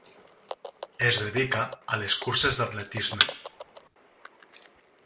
Es dedica a les curses d'atletisme.